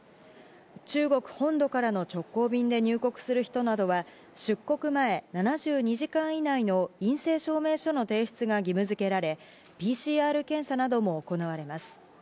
中国本土からの直行便で入国する人などは、出国前７２時間以内の陰性証明書の提出が義務付けられ、ＰＣＲ検査なども行われます。